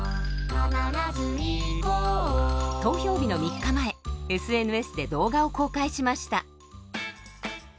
投票日の３日前ＳＮＳで動画を公開しました。